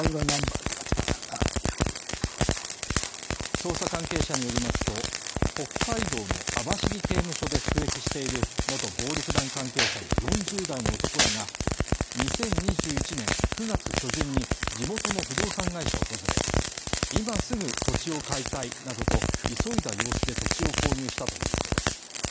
捜査関係者によりますと、北海道の網走刑務所で服役している元暴力団関係者の４０代の男らが２０２１年９月初旬に地元の不動産会社を訪れ、今すぐ土地を買いたいなどと急いだ様子で土地を購入したということです。